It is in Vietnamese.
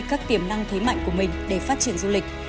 các tiềm năng thế mạnh của mình để phát triển du lịch